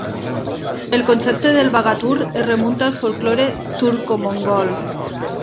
El concepte del baghatur es remunta al folklore turcomongol.